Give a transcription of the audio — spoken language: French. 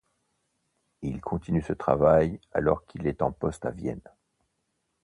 Il continue ce travail alors qu'il est en poste à Vienne.